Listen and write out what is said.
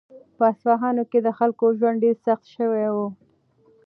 په اصفهان کې د خلکو ژوند ډېر سخت شوی و.